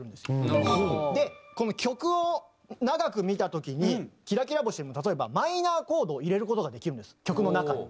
で曲を長く見た時に『きらきら星』でも例えばマイナーコードを入れる事ができるんです曲の中に。